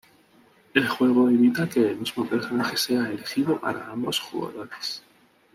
El juego evita que el mismo personaje sea elegido para ambos jugadores.